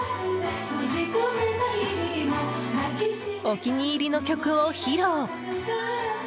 お気に入りの曲を披露。